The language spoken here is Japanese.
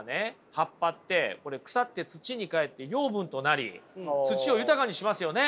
葉っぱって腐って土にかえって養分となり土を豊かにしますよね？